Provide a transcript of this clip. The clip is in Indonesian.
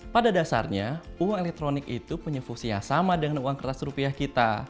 pada dasarnya uang elektronik itu punya fungsi yang sama dengan uang kertas rupiah kita